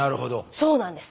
そうなんです。